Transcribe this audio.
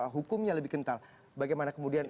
hukumnya lebih kental bagaimana kemudian